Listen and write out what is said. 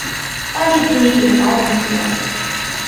当地居民以华人居多。